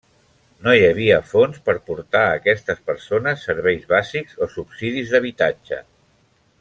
No hi havia fons per portar a aquestes persones serveis bàsics o subsidis d'habitatge.